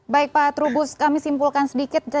baik pak trubus kami simpulkan sedikit